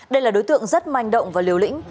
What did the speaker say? đây là đối tượng rất manh động và liều lĩnh